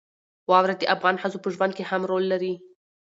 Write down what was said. واوره د افغان ښځو په ژوند کې هم رول لري.